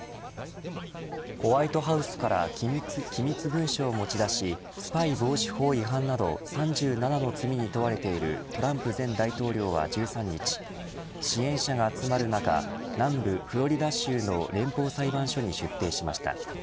ホワイトハウスから機密文書を持ち出しスパイ防止法違反など３７の罪に問われているトランプ前大統領は１３日支援者が集まる中南部フロリダ州の連邦裁判所に出廷しました。